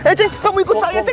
eh cek kamu ikut saya cek